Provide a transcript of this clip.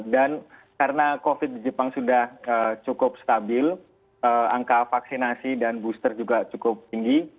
dan karena covid di jepang sudah cukup stabil angka vaksinasi dan booster juga cukup tinggi